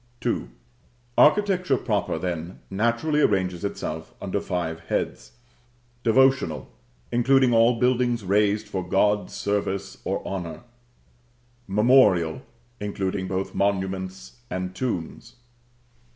II. Architecture proper, then, naturally arranges itself under five heads: Devotional; including all buildings raised for God's service or honor. Memorial; including both monuments and tombs.